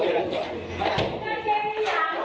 น่าจะสืมให้ริน